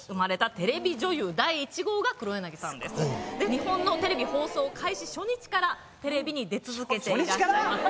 日本のテレビ放送開始初日からテレビに出続けていらっしゃいます。